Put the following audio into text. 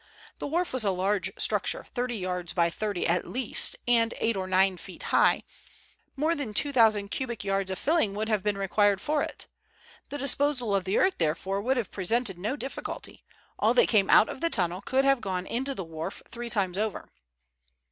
The wharf was a large structure, thirty yards by thirty at least and eight or nine feet high; more than two thousand cubic yards of filling would have been required for it. The disposal of the earth, therefore, would have presented no difficulty. All that came out of the tunnel could have gone into the wharf three times over.